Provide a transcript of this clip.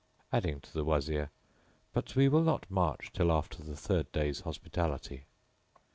adding to the Wazir, "But we will not march till after the third day's hospitality."